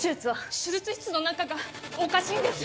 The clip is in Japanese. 手術室の中がおかしいんです